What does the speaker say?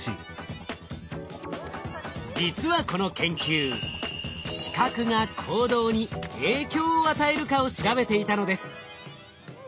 実はこの研究視覚が行動に影響を与えるかを調べていたのです。